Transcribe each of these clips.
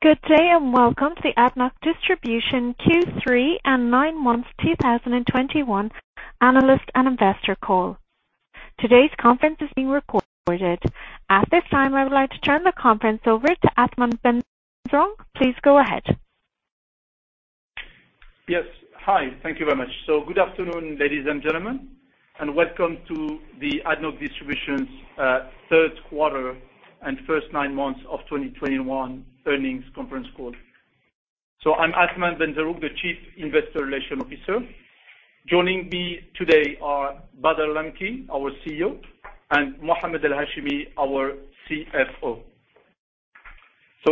Good day and Welcome to the ADNOC Distribution Q3 and nine months 2021 analyst and investor call. Today's conference is being recorded. At this time, I would like to turn the conference over to Athmane Benzerroug. Please go ahead. Yes. Hi. Thank you very much. Good afternoon, ladies and gentlemen, and Welcome to the ADNOC Distribution's third quarter and first nine months of 2021 earnings conference call. I'm Athmane Benzerroug, the Chief Investor Relations Officer. Joining me today are Bader Al Lamki, our CEO, and Mohamed Al Hashimi, our CFO.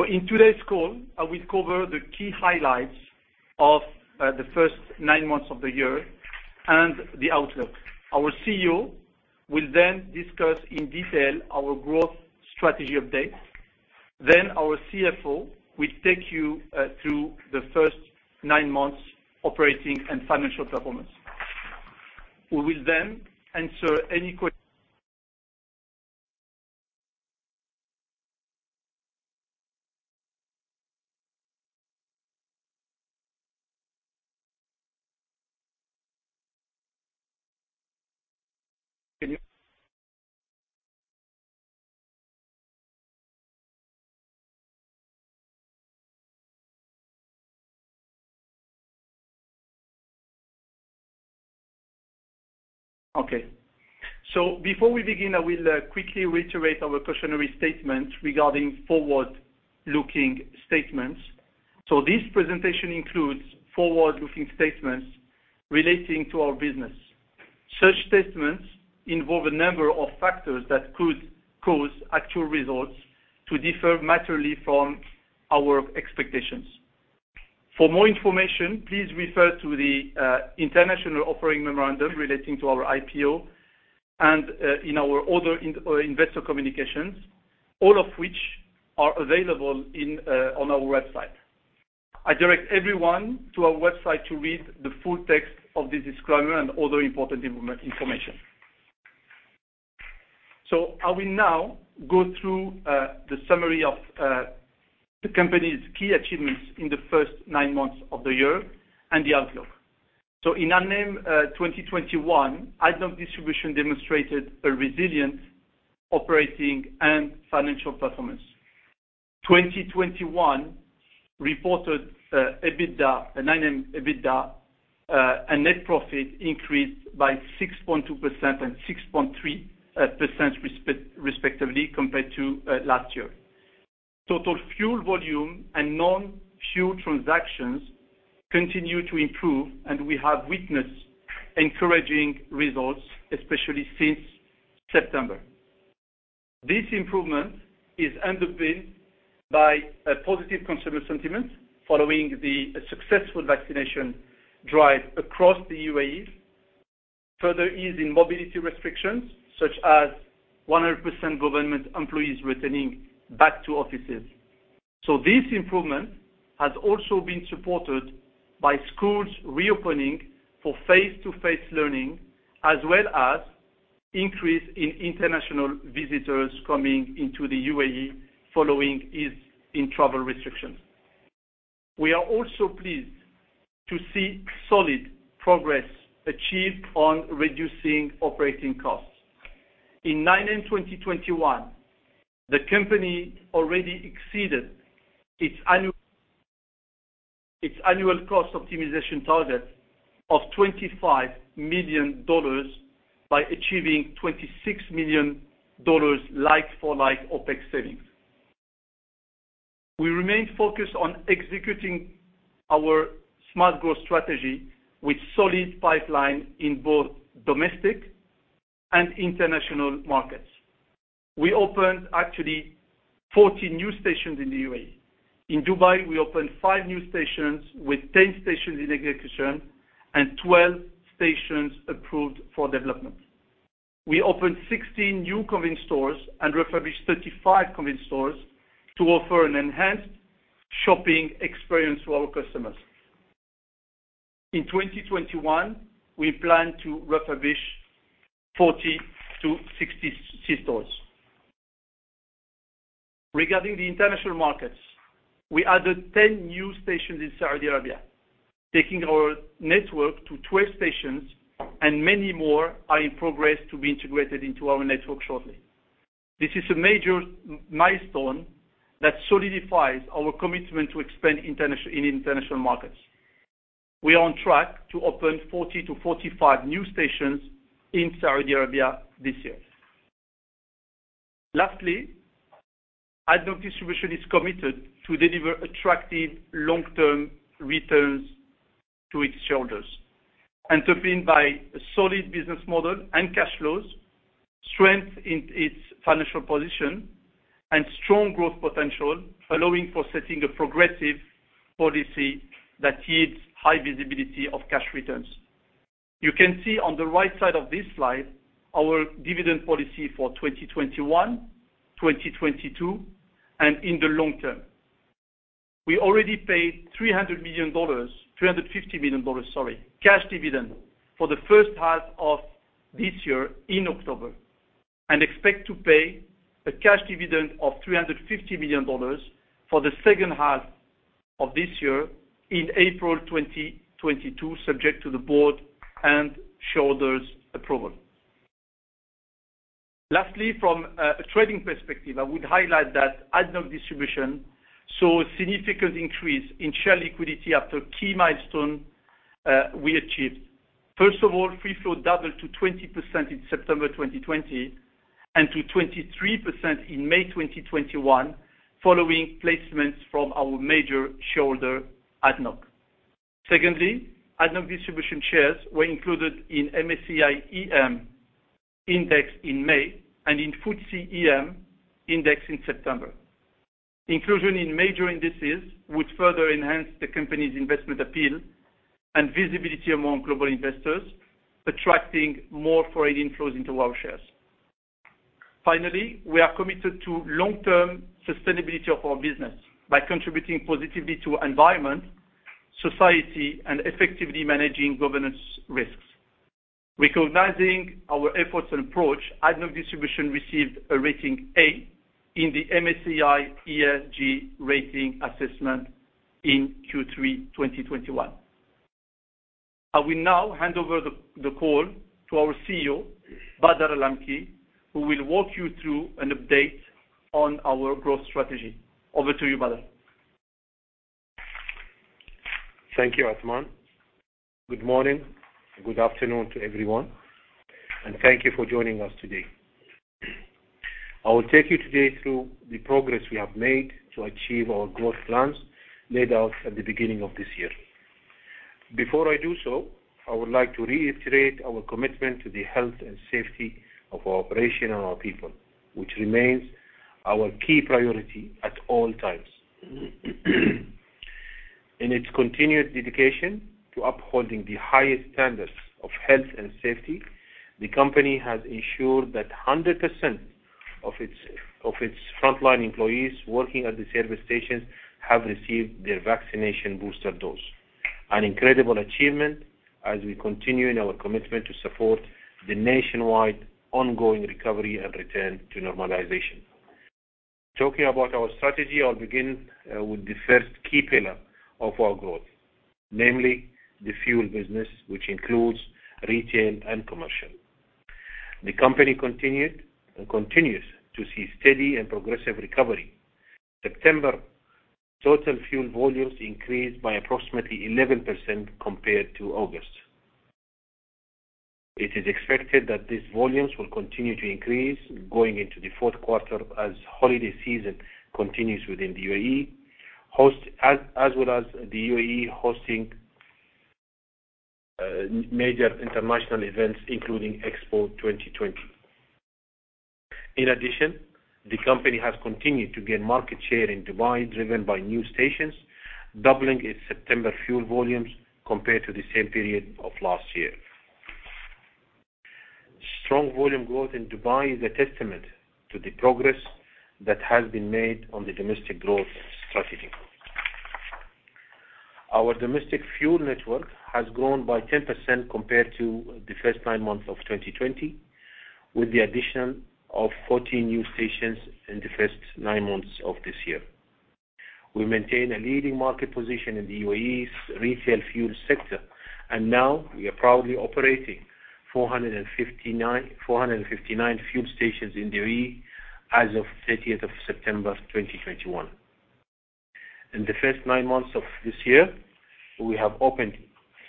In today's call, I will cover the key highlights of the first nine months of the year and the outlook. Our CEO will then discuss in detail our growth strategy update. Then our CFO will take you through the first nine months operating and financial performance. We will then answer any questions. Before we begin, I will quickly reiterate our cautionary statement regarding forward-looking statements. This presentation includes forward-looking statements relating to our business. Such statements involve a number of factors that could cause actual results to differ materially from our expectations. For more information, please refer to the international offering memorandum relating to our IPO and in our other investor communications, all of which are available on our website. I direct everyone to our website to read the full text of this disclaimer and other important information. I will now go through the summary of the company's key achievements in the first nine months of the year and the outlook. In 2021, ADNOC Distribution demonstrated a resilient operating and financial performance. 2021 reported EBITDA, a nine-month EBITDA, and net profit increased by 6.2% and 6.3%, respectively compared to last year. Total fuel volume and non-fuel transactions continue to improve, and we have witnessed encouraging results, especially since September. This improvement is underpinned by a positive consumer sentiment following the successful vaccination drive across the UAE. Further ease in mobility restrictions, such as 100% government employees returning back to offices. This improvement has also been supported by schools reopening for face-to-face learning, as well as increase in international visitors coming into the UAE following ease in travel restrictions. We are also pleased to see solid progress achieved on reducing operating costs. In nine months 2021, the company already exceeded its annual cost optimization target of $25 million by achieving $26 million like for like OpEx savings. We remain focused on executing our smart growth strategy with solid pipeline in both domestic and international markets. We opened actually 14 new stations in the UAE. In Dubai, we opened five new stations with 10 stations in execution and 12 stations approved for development. We opened 16 new convenience stores and refurbished 35 convenience stores to offer an enhanced shopping experience to our customers. In 2021, we plan to refurbish 40-60 C-stores. Regarding the international markets, we added 10 new stations in Saudi Arabia, taking our network to 12 stations, and many more are in progress to be integrated into our network shortly. This is a major milestone that solidifies our commitment to expand in international markets. We are on track to open 40-45 new stations in Saudi Arabia this year. Lastly, ADNOC Distribution is committed to deliver attractive long-term returns to its shareholders, underpinned by a solid business model and cash flows, strength in its financial position, and strong growth potential, allowing for setting a progressive policy that yields high visibility of cash returns. You can see on the right side of this slide our dividend policy for 2021, 2022, and in the long term. We already paid $350 million, sorry, cash dividend for the first half of this year in October. We expect to pay a cash dividend of $350 million for the second half of this year in April 2022, subject to the board and shareholders approval. Lastly, from a trading perspective, I would highlight that ADNOC Distribution saw a significant increase in share liquidity after key milestone we achieved. First of all, free float doubled to 20% in September 2020, and to 23% in May 2021 following placements from our major shareholder, ADNOC. Secondly, ADNOC Distribution shares were included in MSCI EM index in May and in FTSE EM index in September. Inclusion in major indices would further enhance the company's investment appeal and visibility among global investors, attracting more foreign inflows into our shares. Finally, we are committed to long-term sustainability of our business by contributing positively to environment, society, and effectively managing governance risks. Recognizing our efforts and approach, ADNOC Distribution received a rating A in the MSCI ESG rating assessment in Q3 2021. I will now hand over the call to our CEO, Bader Al Lamki, who will walk you through an update on our growth strategy. Over to you, Bader. Thank you, Athmane Benzerroug. Good morning and good afternoon to everyone, and thank you for joining us today. I will take you today through the progress we have made to achieve our growth plans laid out at the beginning of this year. Before I do so, I would like to reiterate our commitment to the health and safety of our operation and our people, which remains our key priority at all times. In its continued dedication to upholding the highest standards of health and safety, the company has ensured that 100% of its frontline employees working at the service stations have received their vaccination booster dose. An incredible achievement as we continue in our commitment to support the nationwide ongoing recovery and return to normalization. Talking about our strategy, I'll begin with the first key pillar of our growth, namely the fuel business, which includes retail and commercial. The company continued and continues to see steady and progressive recovery. September total fuel volumes increased by approximately 11% compared to August. It is expected that these volumes will continue to increase going into the fourth quarter as holiday season continues within the UAE, as well as the UAE hosting major international events, including Expo 2020. In addition, the company has continued to gain market share in Dubai, driven by new stations, doubling its September fuel volumes compared to the same period of last year. Strong volume growth in Dubai is a testament to the progress that has been made on the domestic growth strategy. Our domestic fuel network has grown by 10% compared to the first nine months of 2020, with the addition of 14 new stations in the first nine months of this year. We maintain a leading market position in the UAE's retail fuel sector, and now we are proudly operating 459 fuel stations in the UAE as of 30th of September 2021. In the first nine months of this year, we have opened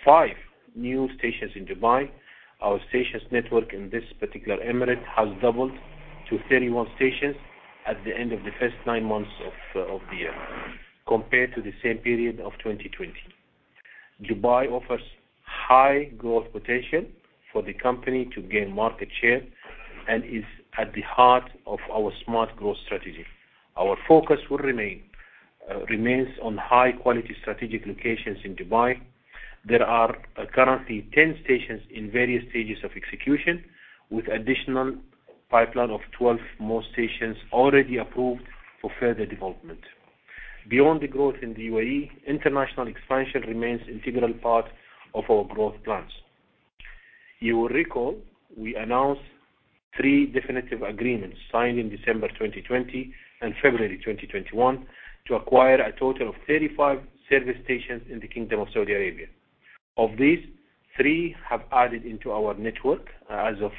5 new stations in Dubai. Our stations network in this particular emirate has doubled to 31 stations at the end of the first nine months of the year compared to the same period of 2020. Dubai offers high growth potential for the company to gain market share and is at the heart of our smart growth strategy. Our focus remains on high-quality strategic locations in Dubai. There are currently 10 stations in various stages of execution, with additional pipeline of 12 more stations already approved for further development. Beyond the growth in the UAE, international expansion remains integral part of our growth plans. You will recall we announced three definitive agreements signed in December 2020 and February 2021 to acquire a total of 35 service stations in the Kingdom of Saudi Arabia. Of these, three have added into our network as of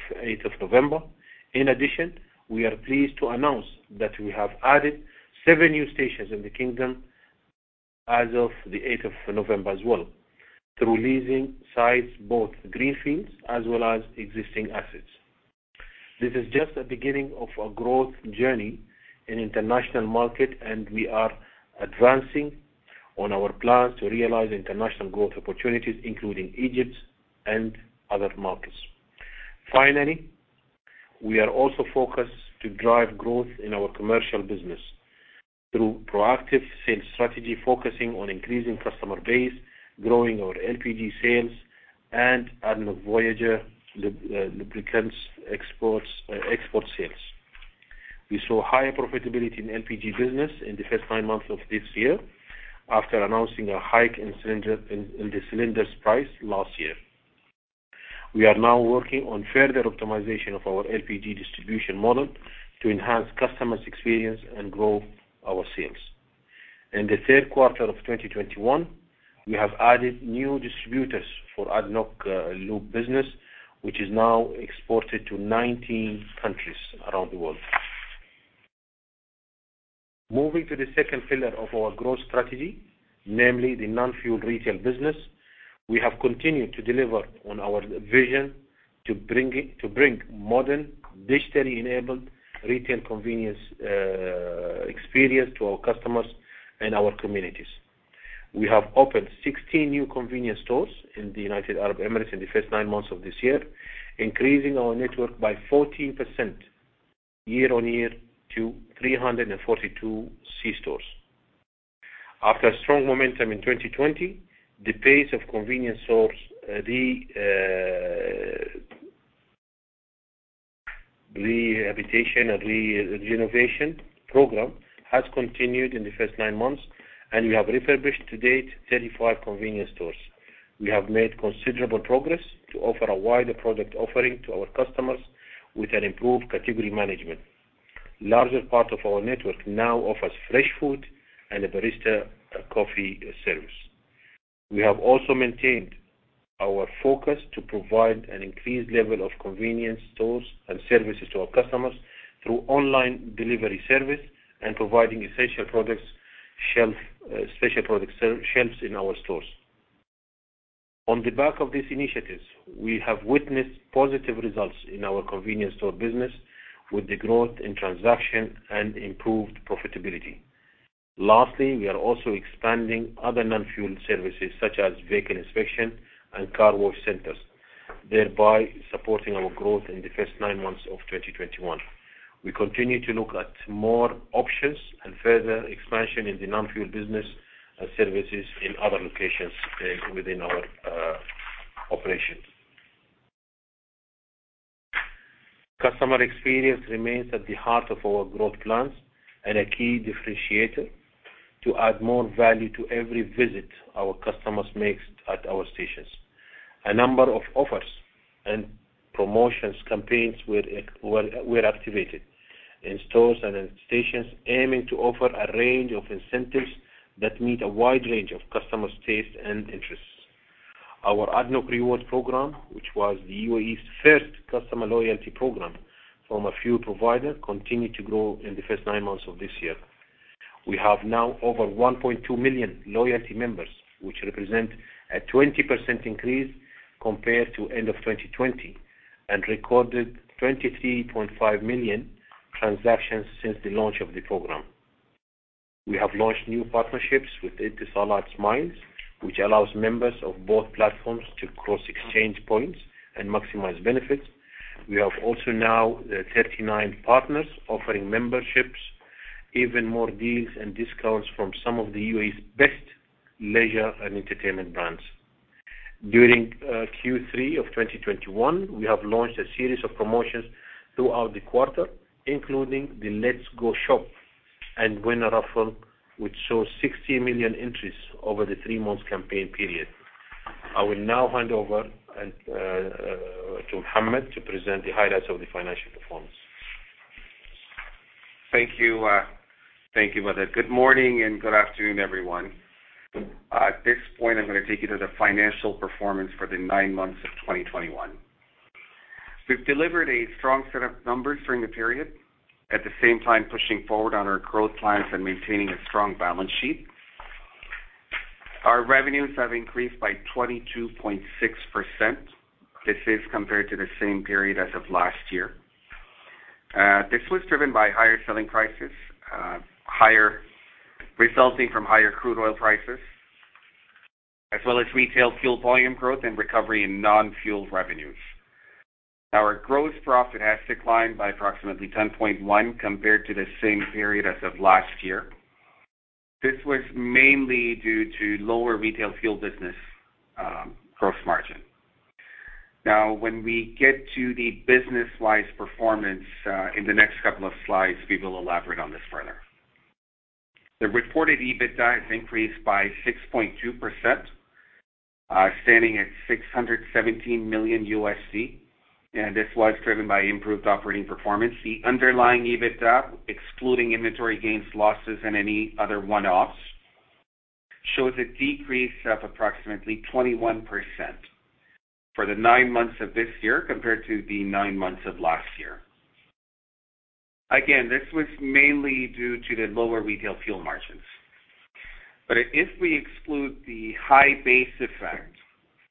November 8th. In addition, we are pleased to announce that we have added seven new stations in the kingdom as of the November 8th as well, through leasing sites, both greenfields as well as existing assets. This is just the beginning of our growth journey in international market, and we are advancing on our plans to realize international growth opportunities, including Egypt and other markets. Finally, we are also focused to drive growth in our commercial business through proactive sales strategy, focusing on increasing customer base, growing our LPG sales and ADNOC Voyager lubricants export sales. We saw higher profitability in LPG business in the first nine months of this year after announcing a hike in the cylinders price last year. We are now working on further optimization of our LPG distribution model to enhance customers experience and grow our sales. In the third quarter of 2021, we have added new distributors for ADNOC lube business, which is now exported to 19 countries around the world. Moving to the second pillar of our growth strategy, namely the non-fuel retail business, we have continued to deliver on our vision to bring modern, digitally enabled retail convenience experience to our customers and our communities. We have opened 16 new convenience stores in the United Arab Emirates in the first nine months of this year, increasing our network by 14% year-on-year to 342 C-stores. After strong momentum in 2020, the pace of convenience stores rehabilitation and renovation program has continued in the first nine months, and we have refurbished to date 35 convenience stores. We have made considerable progress to offer a wider product offering to our customers with an improved category management. Larger part of our network now offers fresh food and a barista coffee service. We have also maintained our focus to provide an increased level of convenience stores and services to our customers through online delivery service and providing essential products shelf, special product shelves in our stores. On the back of these initiatives, we have witnessed positive results in our convenience store business with the growth in transaction and improved profitability. Lastly, we are also expanding other non-fuel services such as vehicle inspection and car wash centers, thereby supporting our growth in the first nine months of 2021. We continue to look at more options and further expansion in the non-fuel business and services in other locations within our operations. Customer experience remains at the heart of our growth plans and a key differentiator to add more value to every visit our customers makes at our stations. A number of offers and promotions campaigns were activated in stores and in stations aiming to offer a range of incentives that meet a wide range of customers taste and interests. Our ADNOC Rewards program, which was the UAE's first customer loyalty program from a fuel provider, continued to grow in the first nine months of this year. We have now over 1.2 million loyalty members, which represent a 20% increase compared to end of 2020, and recorded 23.5 million transactions since the launch of the program. We have launched new partnerships with Etisalat Smiles which allows members of both platforms to cross exchange points and maximize benefits. We have also now 39 partners offering memberships even more deals and discounts from some of the UAE's best leisure and entertainment brands. During Q3 of 2021, we have launched a series of promotions throughout the quarter, including the Let's Go Shop & Win Raffle, which saw 60 million entries over the three-month campaign period. I will now hand over to Mohamed to present the highlights of the financial performance. Thank you, Bader Al Lamki. Good morning and good afternoon, everyone. At this point, I'm gonna take you to the financial performance for the nine months of 2021. We've delivered a strong set of numbers during the period, at the same time pushing forward on our growth plans and maintaining a strong balance sheet. Our revenues have increased by 22.6%. This is compared to the same period as of last year. This was driven by higher selling prices resulting from higher crude oil prices, as well as retail fuel volume growth and recovery in non-fuel revenues. Our gross profit has declined by approximately 10.1% compared to the same period as of last year. This was mainly due to lower retail fuel business gross margin. Now, when we get to the business-wise performance, in the next couple of slides, we will elaborate on this further. The reported EBITDA has increased by 6.2%, standing at $617 million, and this was driven by improved operating performance. The underlying EBITDA, excluding inventory gains, losses, and any other one-offs, shows a decrease of approximately 21% for the nine months of this year compared to the nine months of last year. Again, this was mainly due to the lower retail fuel margins. If we exclude the high base effect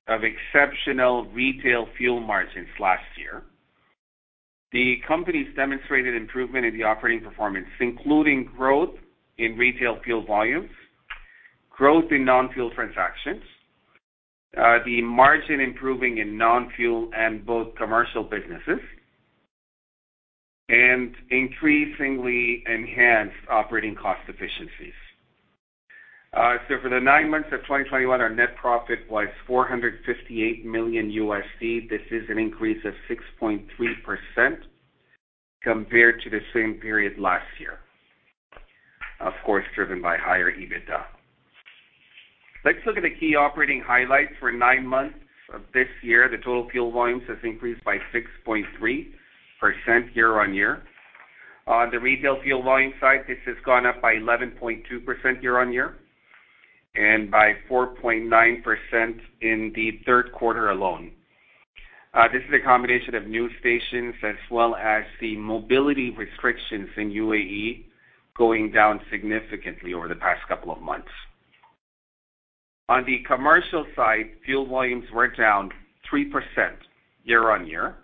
of exceptional retail fuel margins last year, the company has demonstrated improvement in the operating performance, including growth in retail fuel volumes, growth in non-fuel transactions, the margin improving in non-fuel and both commercial businesses, and increasingly enhanced operating cost efficiencies. For the nine months of 2021, our net profit was $458 million. This is an increase of 6.3% compared to the same period last year, of course, driven by higher EBITDA. Let's look at the key operating highlights for nine months of this year. The total fuel volumes has increased by 6.3% year-on-year. On the retail fuel volume side, this has gone up by 11.2% year-on-year and by 4.9% in the third quarter alone. This is a combination of new stations as well as the mobility restrictions in UAE going down significantly over the past couple of months. On the commercial side, fuel volumes were down 3% year-over-year.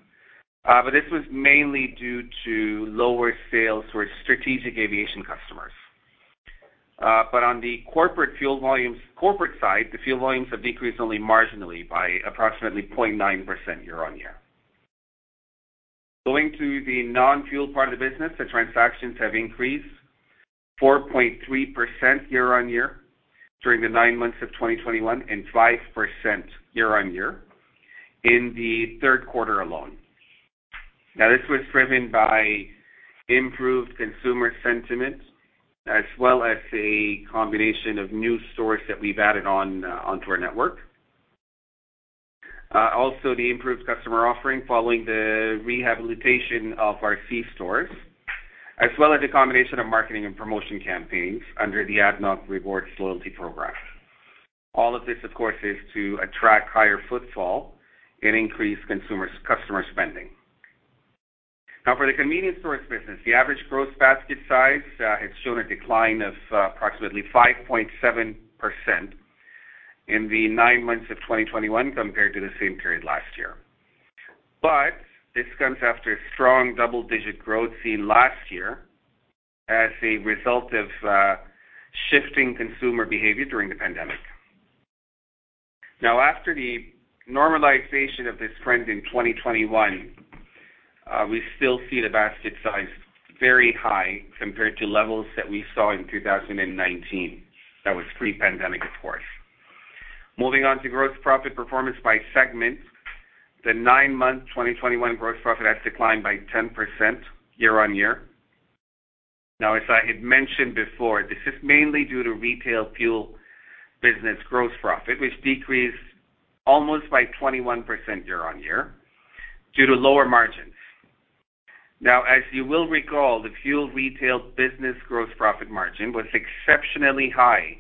This was mainly due to lower sales to our strategic aviation customers. On the corporate side, the fuel volumes have decreased only marginally by approximately 0.9% year-over-year. Going to the non-fuel part of the business, the transactions have increased 4.3% year-over-year during the nine months of 2021, and 5% year-over-year in the third quarter alone. Now, this was driven by improved consumer sentiment as well as a combination of new stores that we've added on onto our network. Also the improved customer offering following the rehabilitation of our C-stores. As well as a combination of marketing and promotion campaigns under the ADNOC Rewards loyalty program. All of this, of course, is to attract higher footfall and increase customer spending. Now, for the convenience stores business, the average gross basket size has shown a decline of approximately 5.7% in the nine months of 2021 compared to the same period last year. This comes after strong double-digit growth seen last year as a result of shifting consumer behavior during the pandemic. Now, after the normalization of this trend in 2021, we still see the basket size very high compared to levels that we saw in 2019. That was pre-pandemic, of course. Moving on to gross profit performance by segment. The nine-month 2021 gross profit has declined by 10% year-on-year. Now, as I had mentioned before, this is mainly due to retail fuel business gross profit, which decreased almost by 21% year-on-year due to lower margins. Now, as you will recall, the fuel retail business gross profit margin was exceptionally high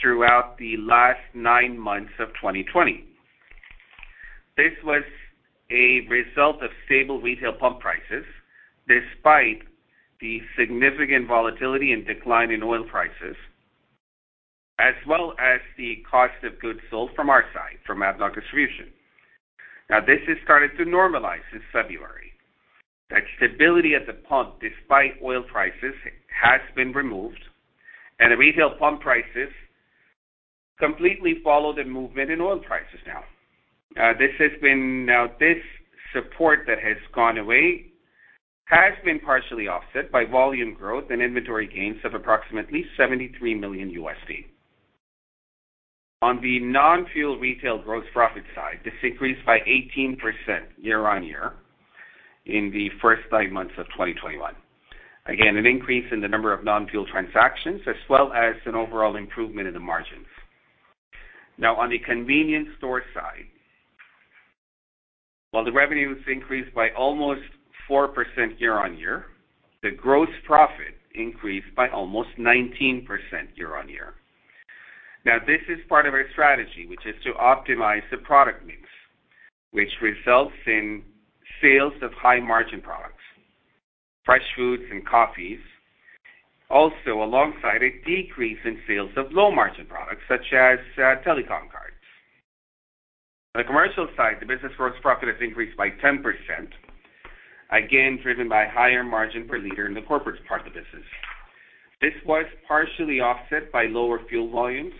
throughout the last nine months of 2020. This was a result of stable retail pump prices, despite the significant volatility and decline in oil prices, as well as the cost of goods sold from our side, from ADNOC Distribution. Now, this has started to normalize since February. That stability at the pump despite oil prices has been removed, and the retail pump prices completely follow the movement in oil prices now. This support that has gone away has been partially offset by volume growth and inventory gains of approximately $73 million. On the non-fuel retail gross profit side, this increased by 18% year-on-year in the first nine months of 2021. Again, an increase in the number of non-fuel transactions, as well as an overall improvement in the margins. Now, on the convenience store side, while the revenues increased by almost 4% year-on-year, the gross profit increased by almost 19% year-on-year. Now, this is part of our strategy, which is to optimize the product mix, which results in sales of high margin products, fresh foods and coffees. Also, alongside a decrease in sales of low margin products such as telecom cards. On the commercial side, the business gross profit has increased by 10%, again, driven by higher margin per liter in the corporate part of the business. This was partially offset by lower fuel volumes,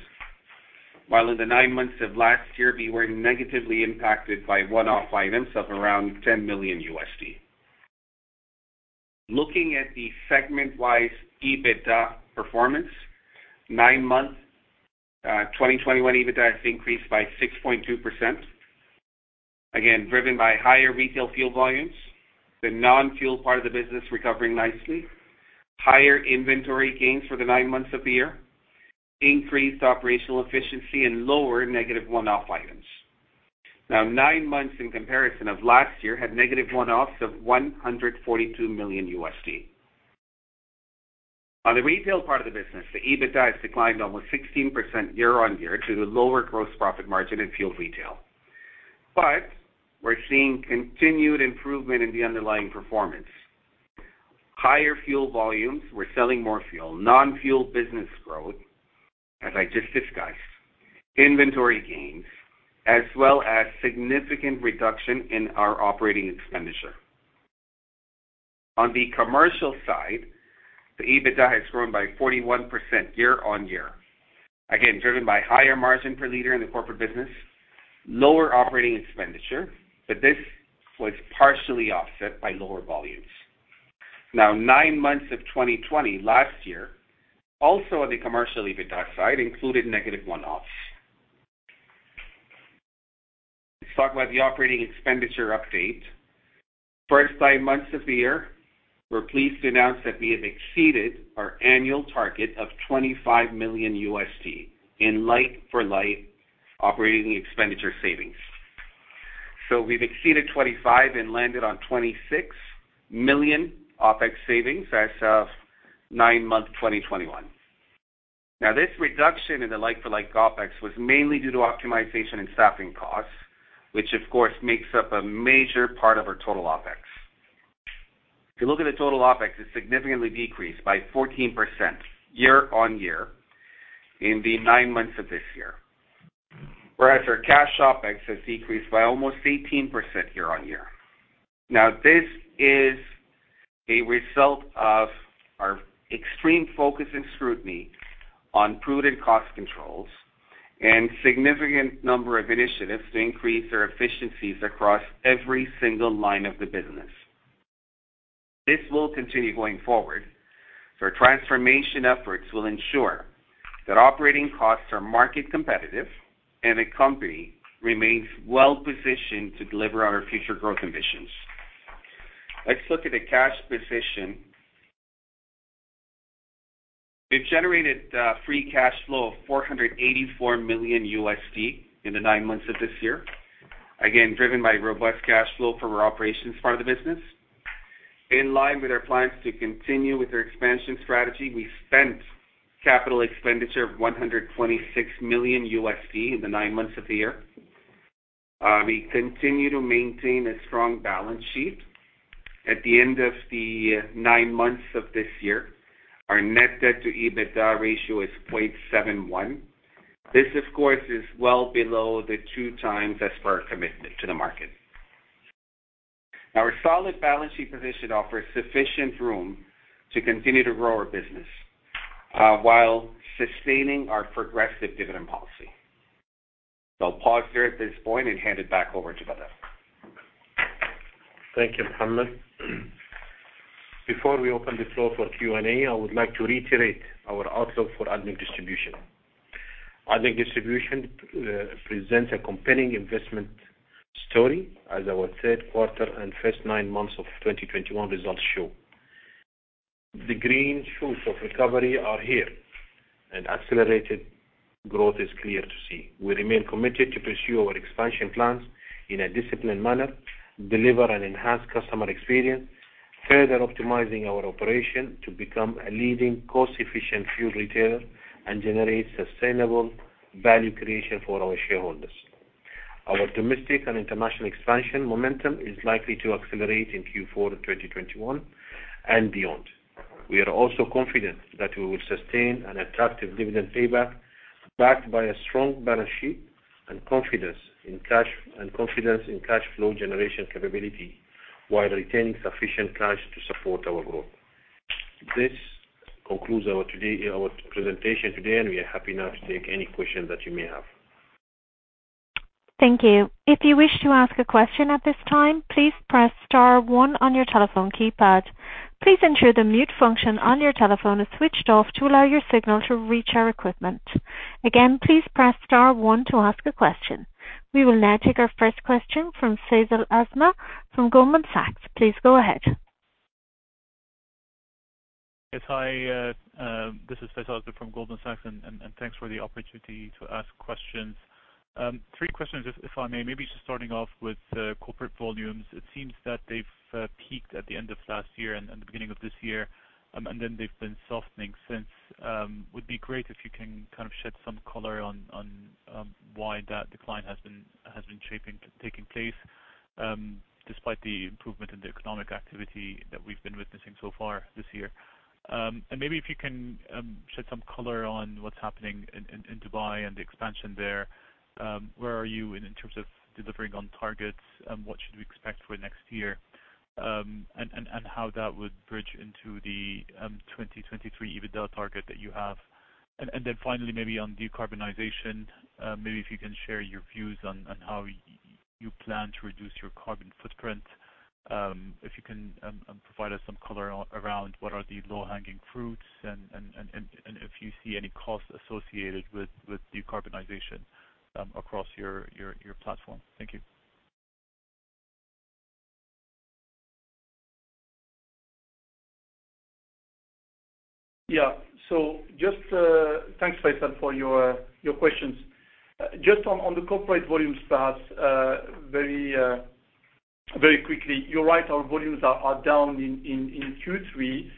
while in the nine months of last year, we were negatively impacted by one-off items of around $10 million. Looking at the segment-wise EBITDA performance. Nine-month 2021 EBITDA has increased by 6.2%. Again, driven by higher retail fuel volumes. The non-fuel part of the business recovering nicely. Higher inventory gains for the nine months of the year. Increased operational efficiency and lower negative one-off items. Now, nine months in comparison of last year had negative one-offs of $142 million. On the retail part of the business, the EBITDA has declined almost 16% year-on-year due to lower gross profit margin in fuel retail. We're seeing continued improvement in the underlying performance. Higher fuel volumes, we're selling more fuel. Non-fuel business growth, as I just discussed. Inventory gains, as well as significant reduction in our operating expenditure. On the commercial side, the EBITDA has grown by 41% year-on-year. Again, driven by higher margin per liter in the corporate business, lower operating expenditure, but this was partially offset by lower volumes. Now nine months of 2020 last year, also on the commercial EBITDA side included negative one-offs. Let's talk about the operating expenditure update. The first nine months of the year, we're pleased to announce that we have exceeded our annual target of $25 million in like-for-like operating expenditure savings. We've exceeded 25 and landed on $26 million OpEx savings as of nine months 2021. Now this reduction in the like-for-like OpEx was mainly due to optimization and staffing costs, which of course makes up a major part of our total OpEx. If you look at the total OpEx, it significantly decreased by 14% year-on-year in the nine months of this year. Whereas our cash OpEx has decreased by almost 18% year-on-year. Now, this is a result of our extreme focus and scrutiny on prudent cost controls and significant number of initiatives to increase our efficiencies across every single line of the business. This will continue going forward, so our transformation efforts will ensure that operating costs are market competitive and the company remains well positioned to deliver on our future growth ambitions. Let's look at the cash position. We've generated free cash flow of $484 million in the nine months of this year, again, driven by robust cash flow from our operations part of the business. In line with our plans to continue with our expansion strategy, we spent capital expenditure of $126 million in the nine months of the year. We continue to maintain a strong balance sheet. At the end of the nine months of this year, our net debt to EBITDA ratio is 0.71. This, of course, is well below the 2x as per our commitment to the market. Our solid balance sheet position offers sufficient room to continue to grow our business, while sustaining our progressive dividend policy. I'll pause here at this point and hand it back over to Bader Al Lamki. Thank you, Mohamed. Before we open the floor for Q&A, I would like to reiterate our outlook for ADNOC Distribution. ADNOC Distribution presents a compelling investment story as our third quarter and first nine months of 2021 results show. The green shoots of recovery are here, and accelerated growth is clear to see. We remain committed to pursue our expansion plans in a disciplined manner, deliver an enhanced customer experience, further optimizing our operation to become a leading cost-efficient fuel retailer and generate sustainable value creation for our shareholders. Our domestic and international expansion momentum is likely to accelerate in Q4 of 2021 and beyond. We are also confident that we will sustain an attractive dividend payback, backed by a strong balance sheet and confidence in cash, and confidence in cash flow generation capability, while retaining sufficient cash to support our growth. This concludes our presentation today, and we are happy now to take any questions that you may have. Thank you. If you wish to ask a question at this time, please press star one on your telephone keypad. Please ensure the mute function on your telephone is switched off to allow your signal to reach our equipment. Again, please press star one to ask a question. We will now take our first question from Faisal Azmeh from Goldman Sachs. Please go ahead. Yes. Hi, this is Faisal Azmeh from Goldman Sachs, and thanks for the opportunity to ask questions. Three questions if I may. Maybe just starting off with corporate volumes. It seems that they've peaked at the end of last year and the beginning of this year, and then they've been softening since. Would be great if you can kind of shed some color on why that decline has been taking place, despite the improvement in the economic activity that we've been witnessing so far this year. And maybe if you can shed some color on what's happening in Dubai and the expansion there. Where are you in terms of delivering on targets? What should we expect for next year? How that would bridge into the 2023 EBITDA target that you have. Then finally maybe on decarbonization, maybe if you can share your views on how you plan to reduce your carbon footprint. If you can provide us some color around what are the low-hanging fruits and if you see any costs associated with decarbonization across your platform. Thank you. Thanks, Faisal, for your questions. Just on the corporate volume stats, very quickly. You're right, our volumes are down in Q3.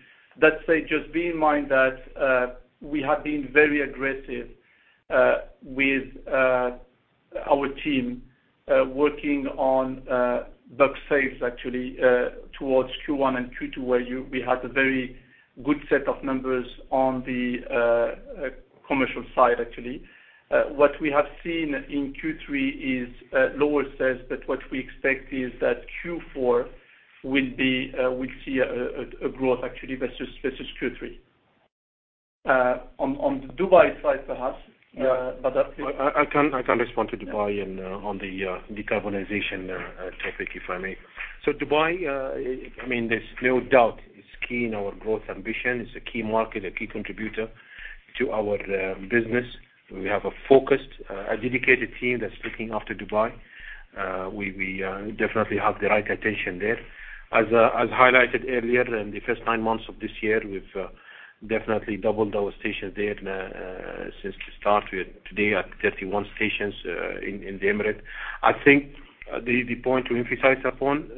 That said, just bear in mind that we have been very aggressive with our team working on bulk sales actually towards Q1 and Q2, where we had a very good set of numbers on the commercial side, actually. What we have seen in Q3 is lower sales, but what we expect is that Q4 will be, we'll see a growth actually versus Q3. On the Dubai side perhaps, Bader. I can respond to Dubai and on the decarbonization topic, if I may. Dubai, I mean, there's no doubt it's key in our growth ambition. It's a key market, a key contributor to our business. We have a focused, dedicated team that's looking after Dubai. We definitely have the right attention there. As I highlighted earlier, in the first nine months of this year, we've definitely doubled our stations there since we started. Today at 31 stations in the Emirate. I think the point to emphasize upon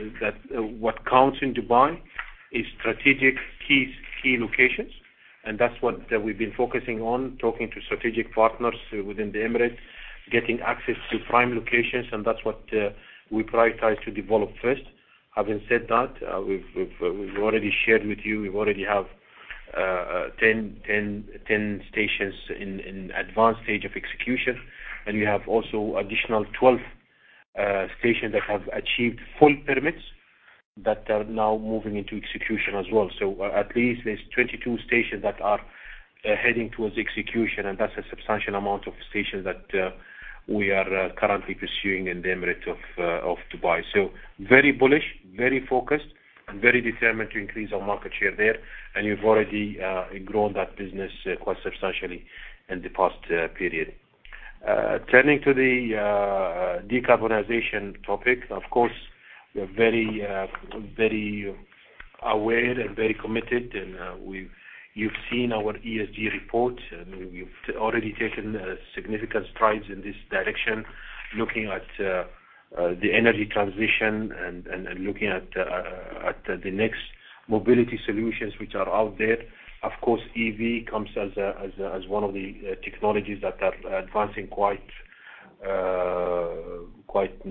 is that what counts in Dubai is strategic key locations, and that's what we've been focusing on, talking to strategic partners within the Emirates, getting access to prime locations, and that's what we prioritize to develop first. Having said that, we've already shared with you, we already have ten stations in advanced stage of execution. We have also additional twelve stations that have achieved full permits that are now moving into execution as well. At least there's 22 stations that are heading towards execution, and that's a substantial amount of stations that we are currently pursuing in the Emirate of Dubai. Very bullish, very focused, and very determined to increase our market share there. We've already grown that business quite substantially in the past period. Turning to the decarbonization topic, of course, we're very aware and very committed, and we've... You've seen our ESG report, and we've already taken significant strides in this direction, looking at the energy transition and looking at the next mobility solutions which are out there. Of course, EV comes as one of the technologies that are advancing quite fast, if I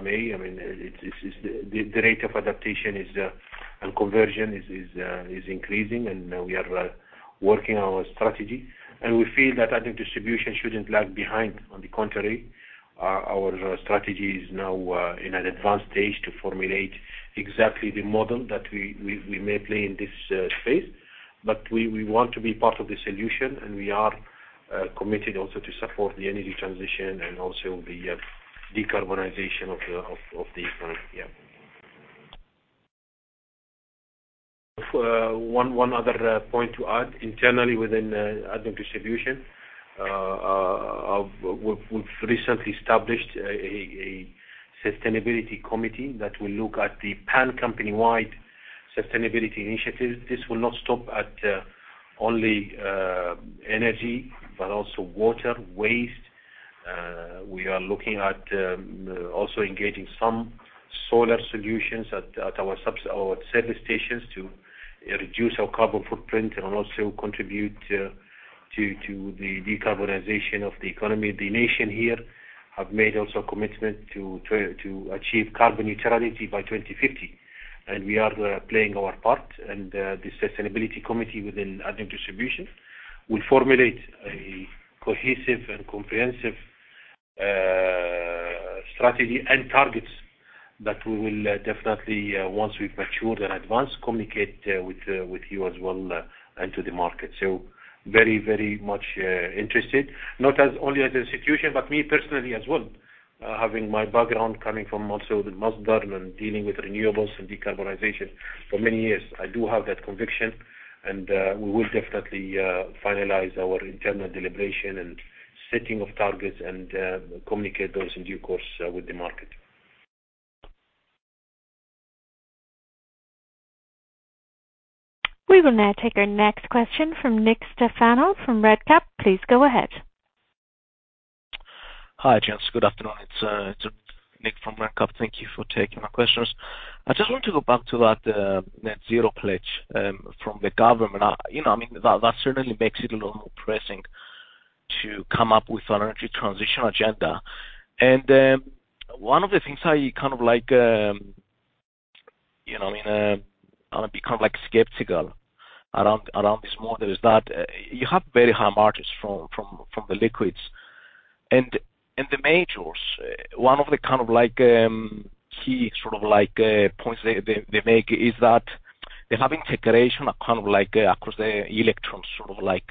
may. I mean, it is the rate of adaptation and conversion is increasing, and we are working our strategy. We feel that, I think distribution shouldn't lag behind. On the contrary, our strategy is now in an advanced stage to formulate exactly the model that we may play in this space. We want to be part of the solution, and we are committed also to support the energy transition and also the decarbonization of the economy. Yeah. One other point to add. Internally within ADNOC Distribution, we've recently established a sustainability committee that will look at the pan-company-wide sustainability initiatives. This will not stop at only energy, but also water, waste. We are looking at also engaging some solar solutions at our service stations to reduce our carbon footprint and also contribute to the decarbonization of the economy. The nation here have made also a commitment to try to achieve carbon neutrality by 2050, and we are playing our part. The sustainability committee within ADNOC Distribution will formulate a cohesive and comprehensive strategy and targets that we will definitely, once we've matured and advanced, communicate with you as well and to the market. Very, very much interested, not only as an institution, but me personally as well. Having my background coming from also with Masdar and dealing with renewables and decarbonization for many years, I do have that conviction, and we will definitely finalize our internal deliberation and setting of targets and communicate those in due course with the market. We will now take our next question from Nick Stefanou from Redburn. Please go ahead. Hi, gents. Good afternoon. It's Nick from Redburn. Thank you for taking my questions. I just want to go back to that net zero pledge from the government. You know, I mean, that certainly makes it a little more pressing to come up with an energy transition agenda. One of the things I kind of like, you know what I mean, I've become, like skeptical around this model is that you have very high margins from the liquids. The majors, one of the kind of like key sort of like points they make is that they're having integration of kind of like across the electric sort of like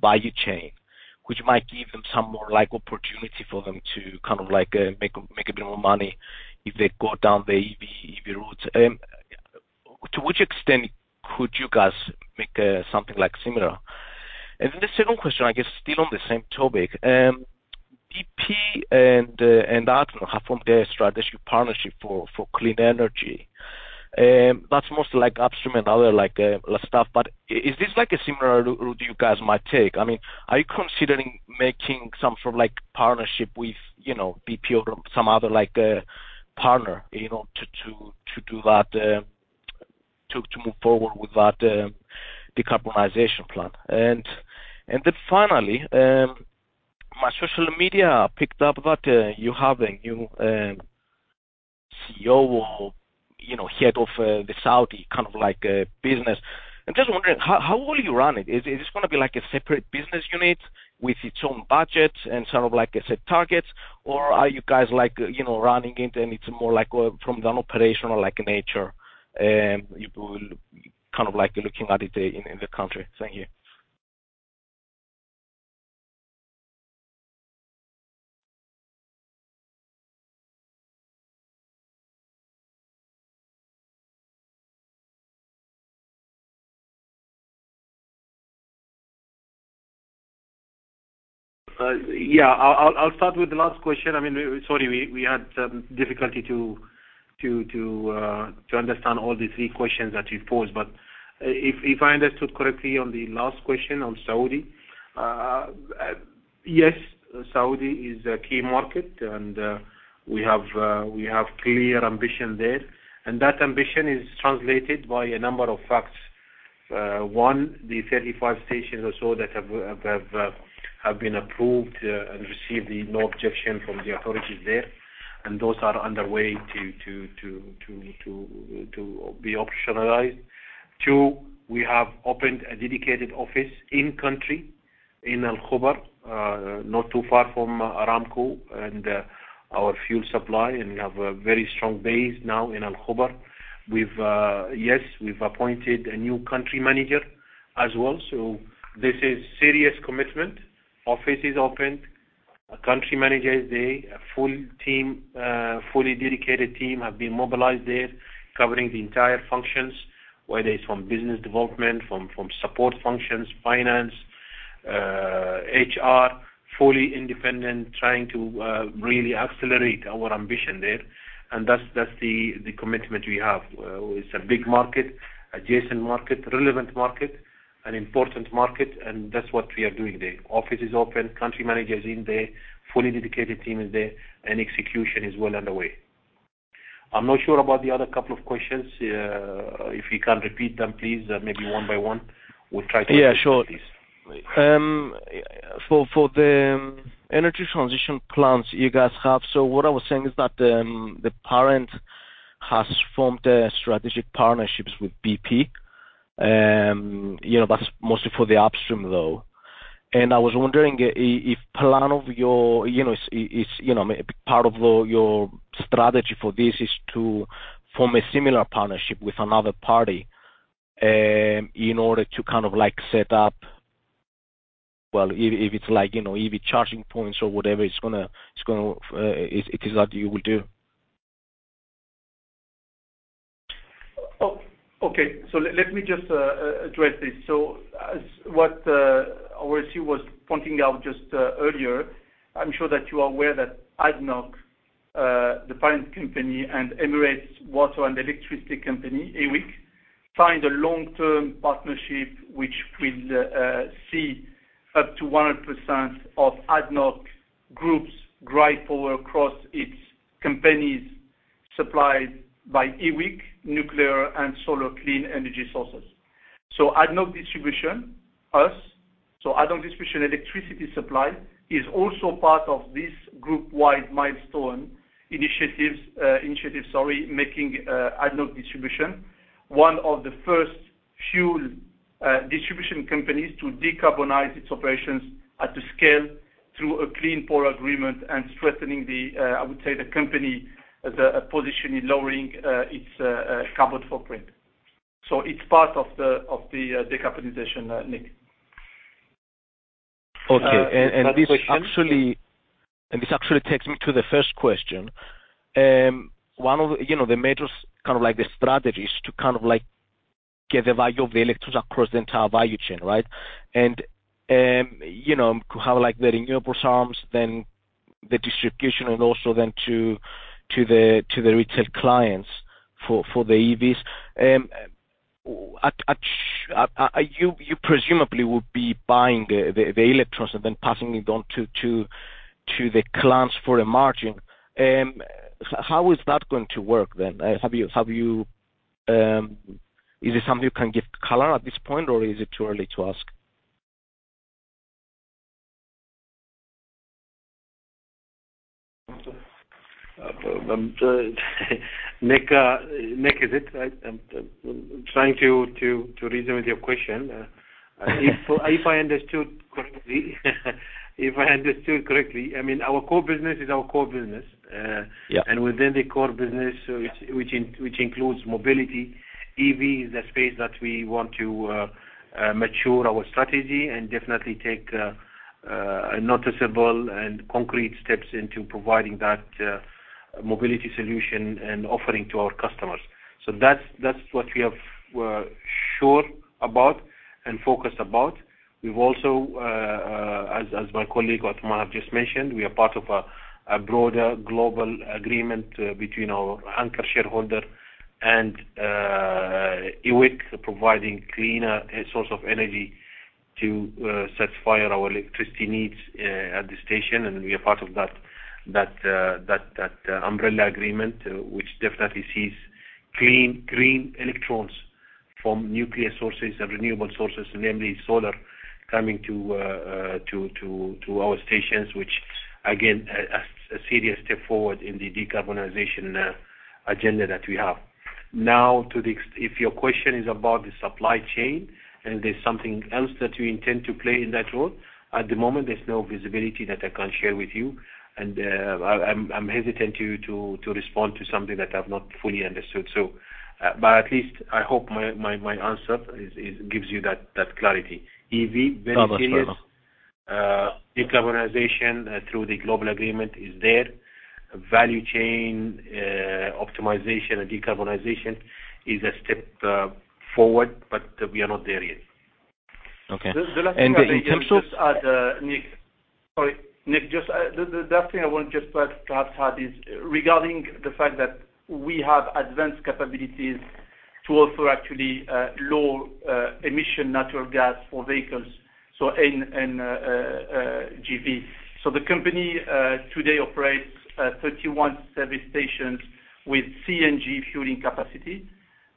value chain, which might give them some more like opportunity for them to kind of like make a bit more money if they go down the EV route. To which extent could you guys make something like similar? The second question, I guess, still on the same topic. BP and ADNOC have formed a strategic partnership for clean energy. That's mostly like upstream and other like stuff. But is this like a similar route you guys might take? I mean, are you considering making some sort of like partnership with, you know, BP or some other like, partner, you know, to do that, to move forward with that, decarbonization plan? Finally, my social media picked up that, you have a new, CEO or, you know, head of, the Saudi kind of like, business. I'm just wondering how will you run it? Is this gonna be like a separate business unit with its own budget and sort of like set targets? Or are you guys like, you know, running it and it's more like, from an operational like nature, you will kind of like looking at it in the country? Thank you. Yeah, I'll start with the last question. I mean, sorry we had difficulty to understand all the three questions that you posed. If I understood correctly on the last question on Saudi, yes, Saudi is a key market and we have clear ambition there. That ambition is translated by a number of facts. One, the 35 stations or so that have been approved and received the no objection from the authorities there, and those are underway to be operationalized. Two, we have opened a dedicated office in country, in Al Khobar, not too far from Aramco and our fuel supply, and we have a very strong base now in Al Khobar. We've... Yes, we've appointed a new country manager as well. This is serious commitment. Office is opened. A country manager is there. A full team, a fully dedicated team have been mobilized there covering the entire functions, whether it's from business development, from support functions, finance, HR, fully independent, trying to really accelerate our ambition there. That's the commitment we have. It's a big market, adjacent market, relevant market, an important market, and that's what we are doing there. Office is open, country manager is in there, fully dedicated team is there, and execution is well underway. I'm not sure about the other couple of questions. If you can repeat them, please, maybe one by one, we'll try to address them, please. Yeah, sure. For the energy transition plans you guys have, what I was saying is that the parent has formed strategic partnerships with BP, you know, but mostly for the upstream though. I was wondering if part of your, you know, part of your strategy for this is to form a similar partnership with another party in order to kind of like set up. Well, if it's like, you know, EV charging points or whatever it's gonna, it is what you will do. Okay. Let me just address this. As our CEO was pointing out just earlier, I'm sure that you are aware that ADNOC, the parent company, and Emirates Water and Electricity Company, EWEC, signed a long-term partnership which will see up to 100% of ADNOC group's grid power across its companies supplied by EWEC nuclear and solar clean energy sources. ADNOC Distribution, us, electricity supply is also part of this group-wide milestone initiative, sorry, making ADNOC Distribution one of the first fuel distribution companies to decarbonize its operations at scale through a clean power agreement and strengthening the, I would say, the company position in lowering its carbon footprint. It's part of the decarbonization, Nick. Okay. The third question. This actually takes me to the first question. One of, you know, the major kind of like the strategies to kind of like get the value of the electrons across the entire value chain, right? You know, have like the renewables arms, then the distribution, and also then to the retail clients for the EVs. You presumably would be buying the electrons and then passing it on to the clients for a margin. How is that going to work then? Is it something you can give color at this point, or is it too early to ask? Nick, is it, right? I'm trying to reason with your question. If I understood correctly, I mean, our core business is our core business. Yeah. Within the core business which includes mobility, EV is a space that we want to mature our strategy and definitely take noticeable and concrete steps into providing that mobility solution and offering to our customers. That's what we are sure about and focused about. We've also, as my colleague Athmane has just mentioned, we are part of a broader global agreement between our anchor shareholder and EWEC providing cleaner source of energy to satisfy our electricity needs at the station. We are part of that umbrella agreement which definitely sees clean green electrons from nuclear sources and renewable sources, namely solar, coming to our stations, which again, a serious step forward in the decarbonization agenda that we have. If your question is about the supply chain, and there's something else that we intend to play in that role, at the moment, there's no visibility that I can share with you. I'm hesitant to respond to something that I've not fully understood. At least I hope my answer gives you that clarity. EV, very serious. No, that's fair enough. Decarbonization through the global agreement is there. Value chain optimization and decarbonization is a step forward, but we are not there yet. Okay. In terms of- The last thing I'd like to just add, Nick. Sorry, Nick, just the last thing I want just to perhaps add is regarding the fact that we have advanced capabilities to offer actually low emission natural gas for vehicles, so NGV. So the company today operates 31 service stations with CNG fueling capacity.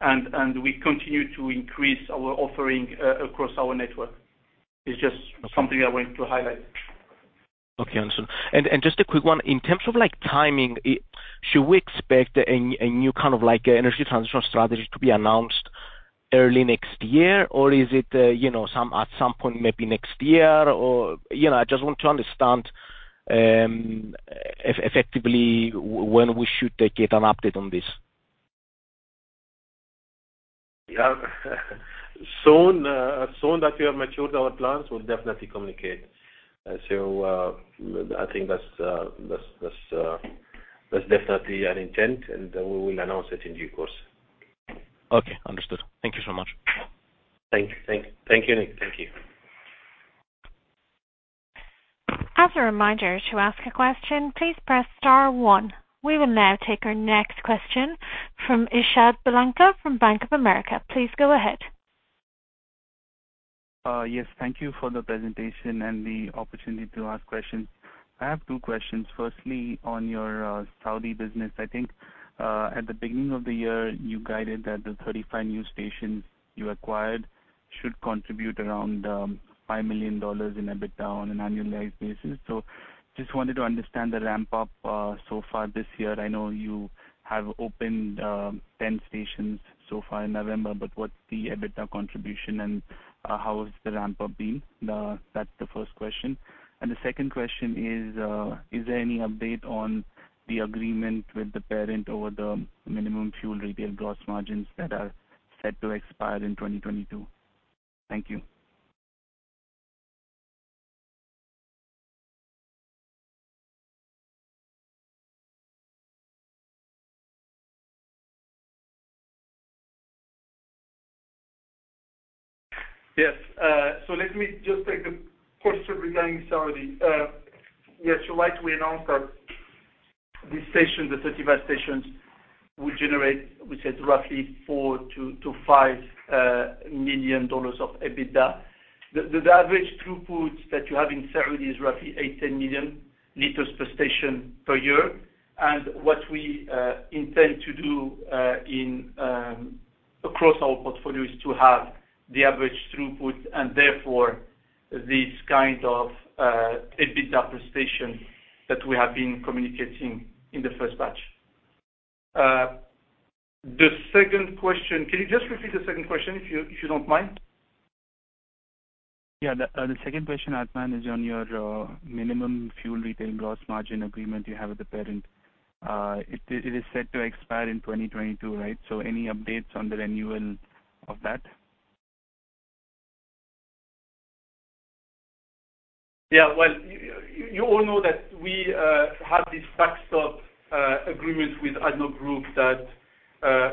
And we continue to increase our offering across our network. It's just something I wanted to highlight. Okay, understood. Just a quick one. In terms of, like, timing, should we expect a new kind of like energy transition strategy to be announced early next year? Or is it, you know, sometime at some point maybe next year? You know, I just want to understand effectively when we should, like, get an update on this. Yeah. Soon, as soon as we have matured our plans, we'll definitely communicate. I think that's definitely an intent, and we will announce it in due course. Okay, understood. Thank you so much. Thank you. Thank you, Nick. Thank you. As a reminder, to ask a question, please press star one. We will now take our next question from Shashank Bilanka from Bank of America. Please go ahead. Yes. Thank you for the presentation and the opportunity to ask questions. I have two questions. Firstly, on your Saudi business, I think at the beginning of the year, you guided that the 35 new stations you acquired should contribute around $5 million in EBITDA on an annualized basis. Just wanted to understand the ramp-up so far this year. I know you have opened 10 stations so far in November, but what's the EBITDA contribution and how has the ramp-up been? That's the first question. The second question is there any update on the agreement with the parent over the minimum fuel retail gross margins that are set to expire in 2022? Thank you. Yes. Let me just take the question regarding Saudi. Yes, you're right. We announced that these stations, the 35 stations will generate. We said roughly $4 million-$5 million of EBITDA. The average throughput that you have in Saudi is roughly 8 million-10 million liters per station per year. What we intend to do in across our portfolio is to have the average throughput and therefore this kind of EBITDA per station that we have been communicating in the first batch. The second question, can you just repeat the second question, if you don't mind? Yeah. The second question, Athmane, is on your minimum fuel retail gross margin agreement you have with the parent. It is set to expire in 2022, right? Any updates on the renewal of that? Yeah. Well, you all know that we have this backstop agreement with ADNOC Group that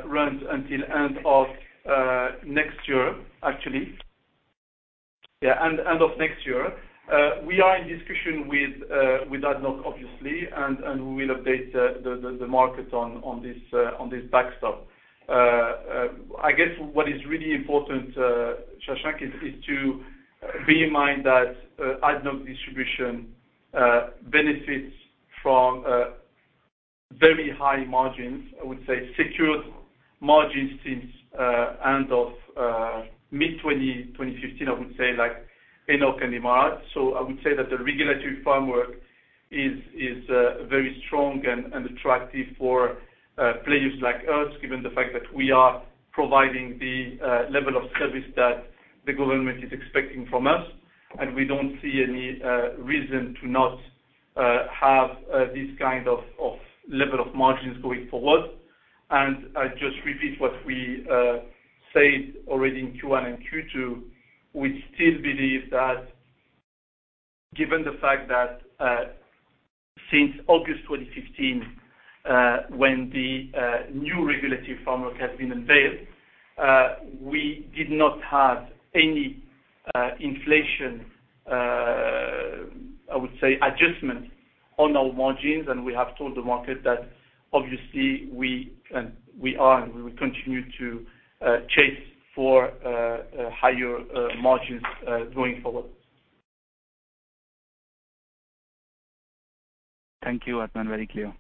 runs until end of next year, actually. Yeah, end of next year. We are in discussion with ADNOC obviously, and we will update the markets on this backstop. I guess what is really important, Shashank, is to bear in mind that ADNOC Distribution benefits from very high margins. I would say secured margins since end of mid-2015, I would say, like ENOC and Emarat. I would say that the regulatory framework is very strong and attractive for players like us, given the fact that we are providing the level of service that the government is expecting from us. We don't see any reason to not have this kind of level of margins going forward. I just repeat what we said already in Q1 and Q2. We still believe that given the fact that since August 2015, when the new regulatory framework has been unveiled, we did not have any inflation, I would say, adjustments on our margins. We have told the market that obviously we are and we will continue to chase for higher margins going forward. Thank you, Athmane. Very clear.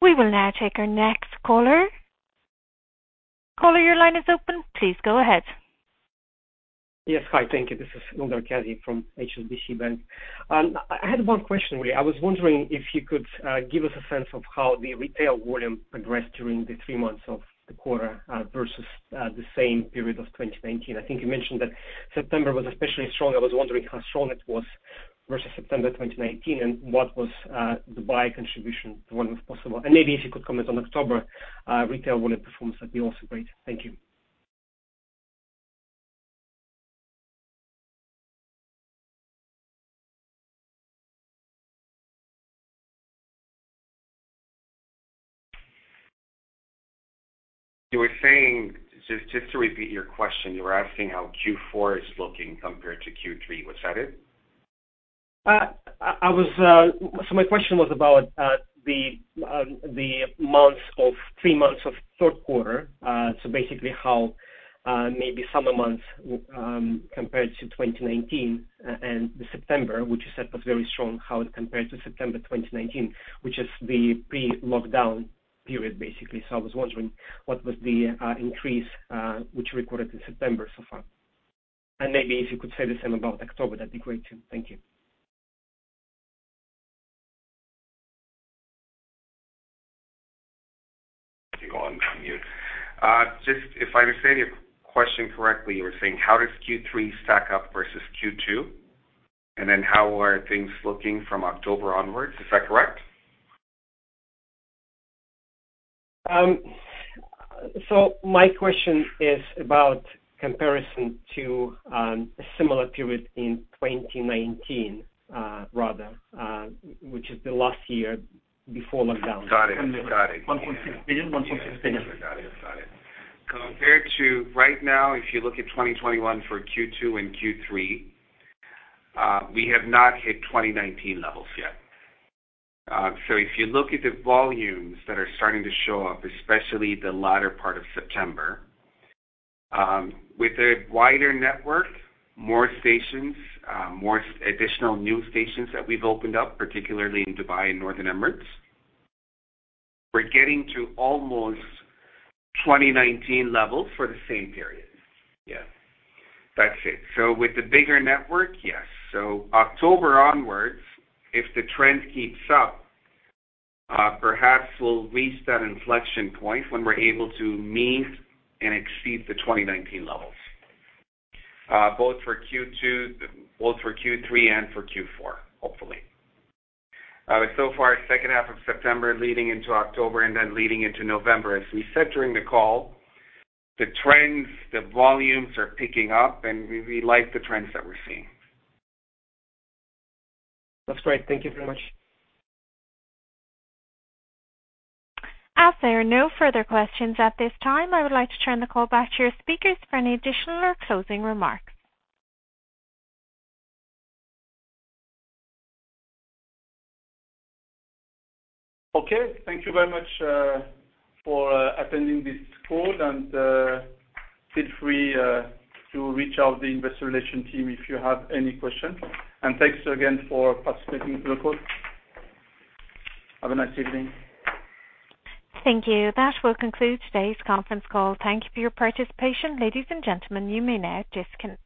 We will now take our next caller. Caller, your line is open. Please go ahead. Yes. Hi. Thank you. This is Nandor Kazi from HSBC. I had one question really. I was wondering if you could give us a sense of how the retail volume progressed during the three months of the quarter versus the same period of 2019. I think you mentioned that September was especially strong. I was wondering how strong it was versus September 2019, and what was Dubai's contribution, too, if possible. Maybe if you could comment on October retail volume performance, that'd be also great. Thank you. You were saying, just to repeat your question, you were asking how Q4 is looking compared to Q3. Was that it? My question was about the three months of third quarter, so basically how maybe summer months compared to 2019 and the September, which you said was very strong, how it compared to September 2019, which is the pre-lockdown period, basically. I was wondering what was the increase which you recorded in September so far. Maybe if you could say the same about October, that'd be great, too. Thank you. You're on mute. Just if I understand your question correctly, you were saying, how does Q3 stack up versus Q2? How are things looking from October onwards? Is that correct? My question is about comparison to a similar period in 2019, which is the last year before lockdown. Got it. 1.6 billion. Got it. Compared to right now, if you look at 2021 for Q2 and Q3, we have not hit 2019 levels yet. If you look at the volumes that are starting to show up, especially the latter part of September, with a wider network, more stations, additional new stations that we've opened up, particularly in Dubai and Northern Emirates, we're getting to almost 2019 levels for the same periods. That's it. With the bigger network, yes. October onwards, if the trend keeps up, perhaps we'll reach that inflection point when we're able to meet and exceed the 2019 levels, both for Q3 and for Q4, hopefully. So far, second half of September leading into October and then leading into November, as we said during the call, the trends, the volumes are picking up, and we like the trends that we're seeing. That's great. Thank you very much. As there are no further questions at this time, I would like to turn the call back to your speakers for any additional or closing remarks. Okay. Thank you very much for attending this call, and feel free to reach out to the investor relations team if you have any questions. Thanks again for participating in the call. Have a nice evening. Thank you. That will conclude today's conference call. Thank you for your participation. Ladies and gentlemen, you may now disconnect.